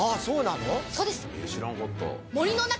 そうなの？